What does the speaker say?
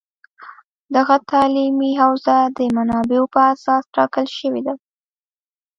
دغه تعلیمي حوزه د منابعو په اساس ټاکل شوې ده